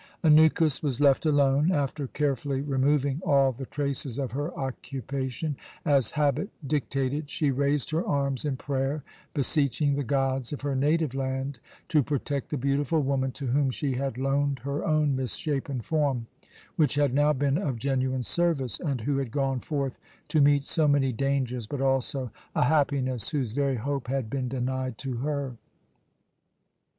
Anukis was left alone. After carefully removing all the traces of her occupation, as habit dictated, she raised her arms in prayer, beseeching the gods of her native land to protect the beautiful woman to whom she had loaned her own misshapen form, which had now been of genuine service, and who had gone forth to meet so many dangers, but also a happiness whose very hope had been denied to her.